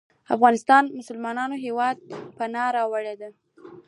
د افغانستان مسلمان هیواد ته یې پناه راوړې ده.